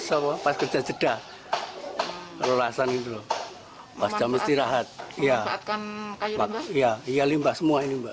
sawah pas kerja jeda lulasan itu pasca mesti rahat ya ya ya limba semua ini mbak